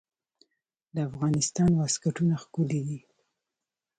د افغانستان واسکټونه ښکلي دي